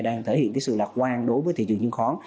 đang thể hiện sự lạc quan đối với thị trường chứng khoán